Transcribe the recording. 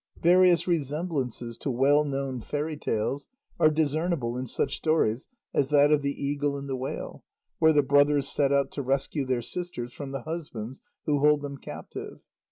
Various resemblances to well known fairy tales are discernible in such stories as that of the Eagle and the Whale, where the brothers set out to rescue their sisters from the husbands who hold them captive.